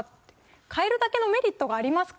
変えるだけのメリットがありますか？